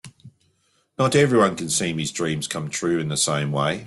Not everyone can see his dreams come true in the same way.